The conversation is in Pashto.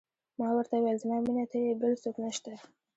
ما ورته وویل: زما مینه ته یې، بل څوک نه شته.